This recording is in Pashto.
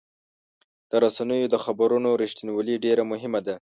د رسنیو د خبرونو رښتینولي ډېر مهمه ده.